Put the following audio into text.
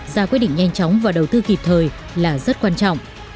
ra quyết định nhanh chóng và đầu tư kịp thời là rất quan trọng